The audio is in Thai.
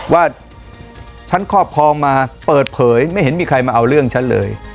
ว่าฉันครอบครองมาเปิดเผยไม่เห็นมีใครมาเอาเรื่องฉันเลย